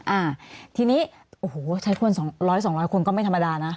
อ่าทีนี้โอ้โหใช้คนสองร้อยสองร้อยคนก็ไม่ธรรมดานะ